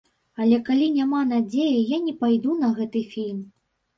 Але калі няма надзеі, я не пайду на гэты фільм.